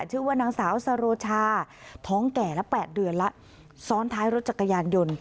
ชื่อว่านางสาวสโรชาท้องแก่ละแปดเดือนแล้วซ้อนท้ายรถจักรยานยนต์